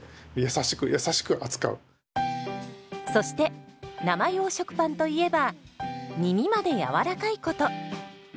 そして生用食パンといえばみみまでやわらかいこと。